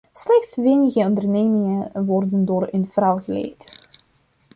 Slechts weinige ondernemingen worden door een vrouw geleid.